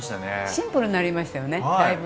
シンプルになりましたよねだいぶ。